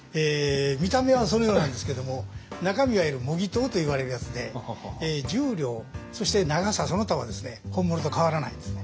見た目はそのようなんですけれども中身はいわゆる模擬刀といわれるやつで重量そして長さその他はですね本物と変わらないんですね。